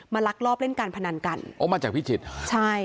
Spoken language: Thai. ลักลอบเล่นการพนันกันโอ้มาจากพิจิตรใช่